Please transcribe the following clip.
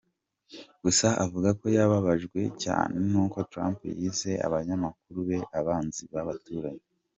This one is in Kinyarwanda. Gusa avuga ko yababajwe cyane n’uko Trump yise abanyamakuru be abanzi b’abaturage.